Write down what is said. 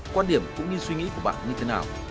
quan điểm cũng như suy nghĩ của bạn như thế nào